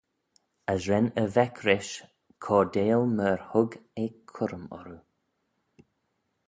As ren e vec rish, cordail myr hug eh currym orroo.